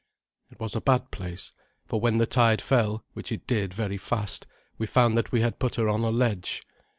It was a bad place. For when the tide fell, which it did very fast, we found that we had put her on a ledge.